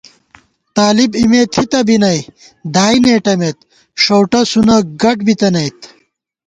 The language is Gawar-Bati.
طالِب اِمےتھِتہ بی نئ، دائی نېٹَمېت شؤٹہ سُنہ گٹ بِتَنَئیت